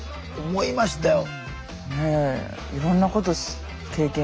思いましたよ。